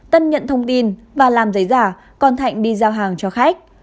tân nhận thông tin và làm giấy giả còn thạnh đi giao hàng cho khách